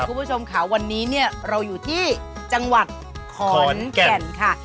คุณผู้ชมค่ะวันนี้เนี่ยเราอยู่ที่จังหวัดขอนแก่นค่ะ